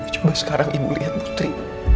coba sekarang ibu lihat putri